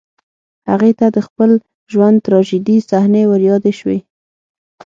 هغې ته د خپل ژوند تراژيدي صحنې وريادې شوې